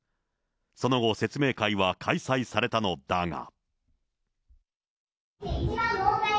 その後、説明会は開催されたのだが。